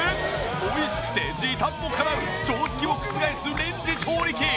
美味しくて時短もかなう常識を覆すレンジ調理器！